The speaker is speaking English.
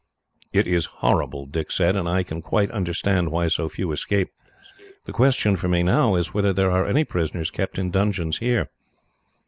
"It is horrible," Dick said, "and I can quite understand why so few escape. The question for me, now, is whether there are any prisoners kept in dungeons here."